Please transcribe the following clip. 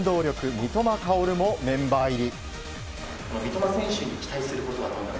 三笘薫もメンバー入り。